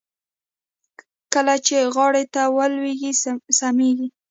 کله چې غاړې ته ولوېږي سميږي.